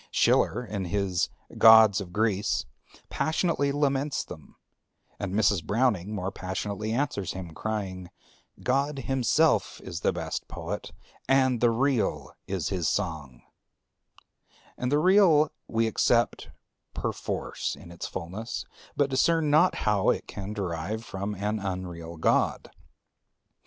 Schiller in his "Gods of Greece" passionately laments them; and Mrs. Browning more passionately answers him, crying, "God himself is the best Poet, and the Real is his song and the Real we accept perforce in its fulness, but discern not how it can derive from an unreal God.